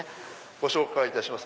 ご紹介いたします